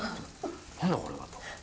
何だこれはと。